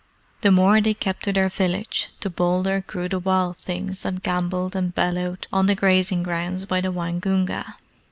The more they kept to their village, the bolder grew the wild things that gambolled and bellowed on the grazing grounds by the Waingunga.